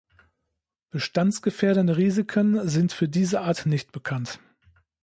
Bestandsgefährdende Risiken sind für diese Art nicht bekannt.